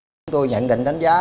chúng tôi nhận định đánh giá